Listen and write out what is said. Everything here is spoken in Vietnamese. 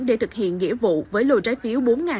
để thực hiện nghĩa vụ với lôi trái phiếu